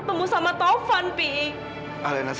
tak apalah kalau aku